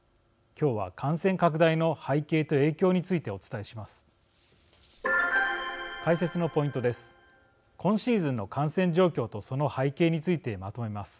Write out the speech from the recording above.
今日は、感染拡大の背景と影響についてお伝えします。